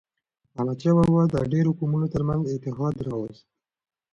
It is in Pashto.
احمدشاه بابا د ډیرو قومونو ترمنځ اتحاد راووست.